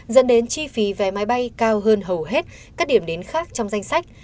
dẫn đến chi phí vé máy bay cao hơn hầu hết các điểm đến khác trong danh sách